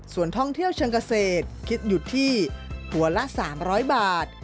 ส่วนท่องเที่ยวเชิงเกษตรคิดอยู่ที่หัวละ๓๐๐บาท